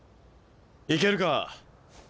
いけるか？